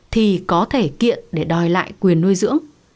thì có thể kiện để đòi lại quyền nuôi dưỡng